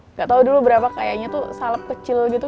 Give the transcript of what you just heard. nggak tahu dulu berapa kayaknya tuh salep kecil gitu